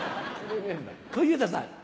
小遊三さん。